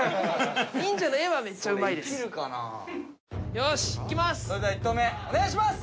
よしいきます！